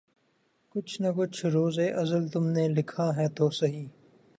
کچھ نہ کچھ روزِ ازل تم نے لکھا ہے تو سہی